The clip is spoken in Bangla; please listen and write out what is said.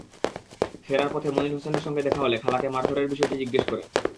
ফেরার পথে মনির হোসেনের সঙ্গে দেখা হলে খালাকে মারধরের বিষয়টি জিজ্ঞেস করেন।